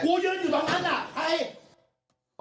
ยืนอยู่ตรงนั้นน่ะใคร